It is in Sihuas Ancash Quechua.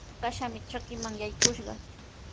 Kashami trakiiman yakushqa.